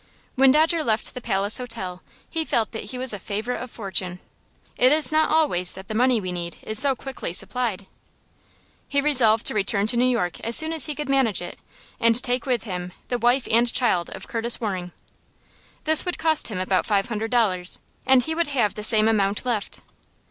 When Dodger left the Palace Hotel he felt that he was a favorite of fortune. It is not always that the money we need is so quickly supplied. He resolved to return to New York as soon as he could manage it, and take with him the wife and child of Curtis Waring. This would cost him about five hundred dollars, and he would have the same amount left.